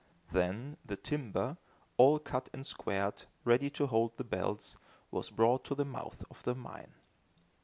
Then, the timber, all cut and squared, ready to hold the bells, was brought to the mouth of the mine.